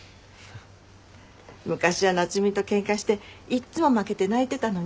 昔は夏海とケンカしていっつも負けて泣いてたのにね。